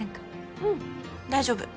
うん大丈夫。